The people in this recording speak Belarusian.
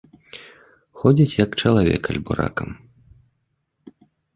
Ходзіць як чалавек альбо ракам.